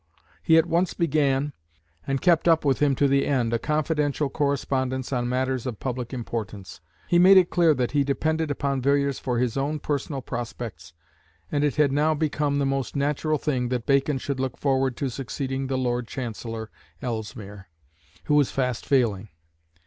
He at once began, and kept up with him to the end, a confidential correspondence on matters of public importance. He made it clear that he depended upon Villiers for his own personal prospects, and it had now become the most natural thing that Bacon should look forward to succeeding the Lord Chancellor, Ellesmere, who was fast failing.